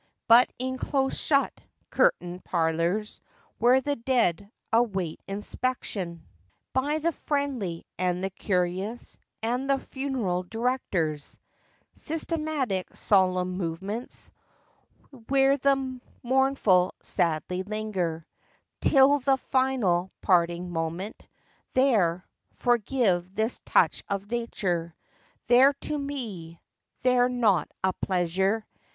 But in close shut, curtained parlors, Where the dead await inspection 12 FACTS AND FANCIES. By the friendly and the curious, And the " funeral director's " Systematic, solemn movements; Where the mournful sadly linger Till the final parting moment— There—forgive this touch of nature— There, to me, they 're not a pleasure.